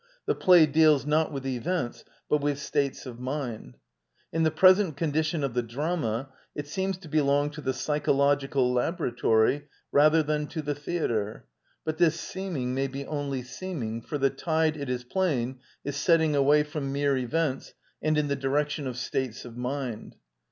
Thej?lay deals, not with events, b ut with states of muiSV In 'TKe present condition of the drama, it seems to be long to the psychological laboratp ry rather than to the theatre, buT this seeming may be only seeming, for the tide, it is plain, is setting away from mere events, and in the direction of states of mind.